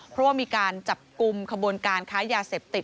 เพราะว่ามีการจับกลุ่มขบวนการค้ายาเสพติด